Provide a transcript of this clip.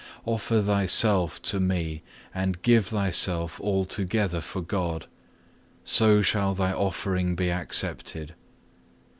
Offer thyself to Me, and give thyself altogether for God, so shall thy offering be accepted.